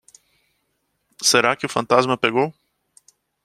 Será que o fantasma pegou?